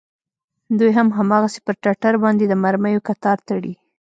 دوى هم هماغسې پر ټټر باندې د مرميو کتار تړي.